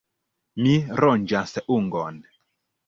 Mi ronĝas ungon.